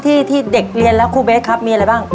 ที่เด็กเรียนแล้วครูเบสครับมีอะไรบ้าง